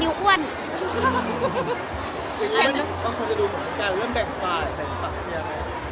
แล้วเรื่องแบ่งฝ่ายแบ่งฝังเทียมไง